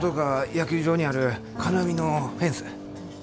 野球場にある金網のフェンス。